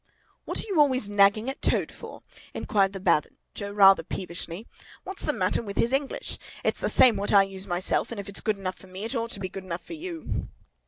"What are you always nagging at Toad for?" inquired the Badger, rather peevishly. "What's the matter with his English? It's the same what I use myself, and if it's good enough for me, it ought to be good enough for you!"